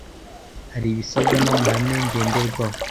hari ibisabwa n’ amahame ngenderwaho